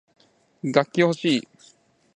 楽器ほしい